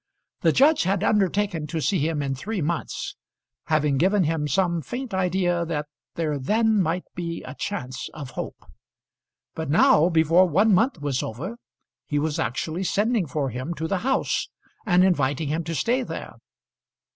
The judge had undertaken to see him in three months, having given him some faint idea that there then might be a chance of hope. But now, before one month was over, he was actually sending for him to the house, and inviting him to stay there.